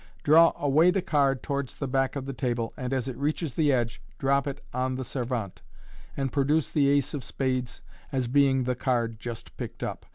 Draw away the card towards the back of the table, and, as it reaches the edge, drop it on the servante, and produce the ace of spades as being the card just picked up.